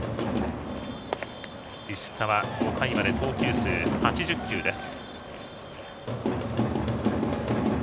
石川、５回まで投球数８０球です。